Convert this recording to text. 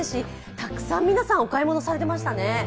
たくさん皆さんお買い物されていましたね。